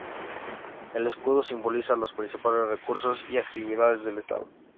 El escudo simboliza los principales recursos y actividades del estado.